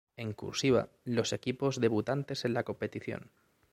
En "cursiva", los equipos debutantes en la competición.